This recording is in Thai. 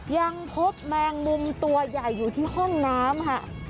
ยังพบแมงมุมตัวใหญ่อยู่ที่ห้องน้ำค่ะ